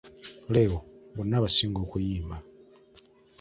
Leo bonna abasinga okuyimba!